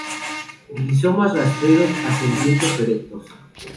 Rizomas rastreros, ascendentes o erectos.